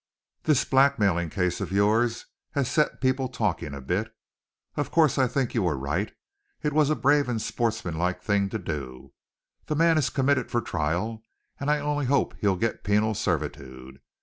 This blackmailing case of yours has set people talking a bit. Of course, I think you were right. It was a brave and sportsmanlike thing to do. The man is committed for trial, and I only hope he'll get penal servitude.